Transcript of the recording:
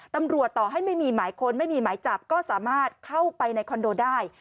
ต่อให้ไม่มีหมายค้นไม่มีหมายจับก็สามารถเข้าไปในคอนโดได้